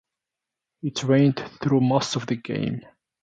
It rained throughout most of the game.